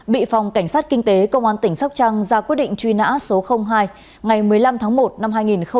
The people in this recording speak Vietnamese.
bị phòng cảnh sát kinh tế công an tỉnh sóc trăng ra quyết định truy nã số hai ngày một mươi năm tháng một năm hai nghìn một mươi ba